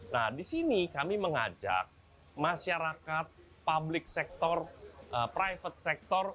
nah di sini kami mengajak masyarakat public sector private sector